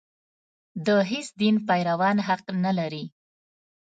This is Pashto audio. د هېڅ دین پیروان حق نه لري.